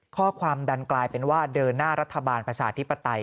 ข้อความดันกลายเป็นว่าเดินหน้ารัฐบาลประชาธิปไตย